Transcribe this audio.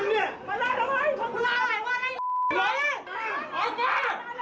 นักข่าวนะผู้ใหญ่อยู่นู้นครับ